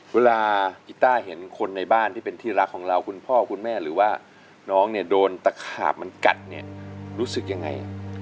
เวลากีต้าเห็นคนในบ้านที่เป็นที่รักของเราคุณพ่อคุณแม่หรือว่าน้องเนี่ยโดนตะขาบมันกัดเนี่ยรู้สึกยังไง